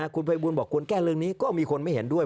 คุณภัยบูลบอกควรแก้เรื่องนี้ก็มีคนไม่เห็นด้วย